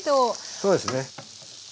そうですね。